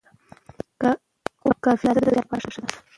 د خوب کافي اندازه د روغتیا لپاره ښه ده.